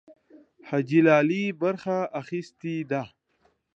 حاجي لالي برخه اخیستې ده.